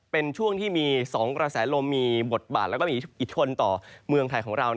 เป็นช่วงที่มี๒กระแสลมมีบทบาทและมีอิทธิพลต่อเมืองไทยของเรา